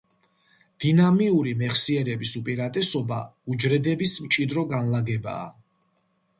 დინამიური მეხსიერების უპირატესობა უჯრედების მჭიდრო განლაგებაა.